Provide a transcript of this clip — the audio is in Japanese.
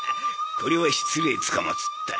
これは失礼つかまつった。